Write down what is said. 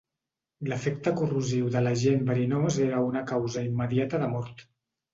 L'efecte corrosiu de l'agent verinós era una causa immediata de mort.